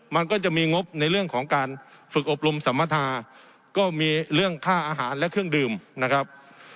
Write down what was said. มันก็จะมีงบในเรื่องของการฝึกอบรมสัมมทาก็มีเรื่องค่าอาหารและเครื่องดื่มนะครับ